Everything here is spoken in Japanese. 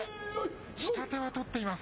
下手は取っています。